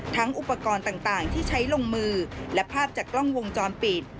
อุปกรณ์ต่างที่ใช้ลงมือและภาพจากกล้องวงจรปิด